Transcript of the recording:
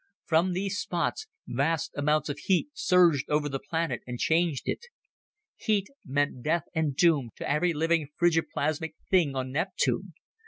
From these spots, vast amounts of heat surged over the planet and changed it. Heat meant death and doom to every living frigi plasmic thing on Neptune.